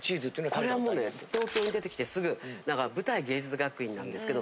これはもう東京に出てきてすぐ舞台芸術学院なんですけど。